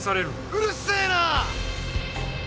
うるせえな！！